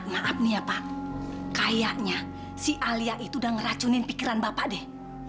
maaf maaf pak kayaknya si alia itu udah ngeracunin pikiran bapak dik